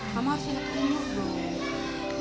mama harus hidup umur dong